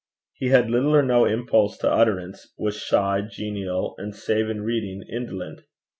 He had little or no impulse to utterance, was shy, genial, and, save in reading, indolent.